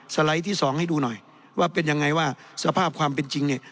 ไลด์ที่สองให้ดูหน่อยว่าเป็นยังไงว่าสภาพความเป็นจริงเนี่ย